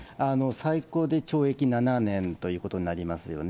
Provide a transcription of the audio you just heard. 最高で懲役７年ということになりますよね。